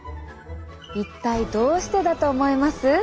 一体どうしてだと思います？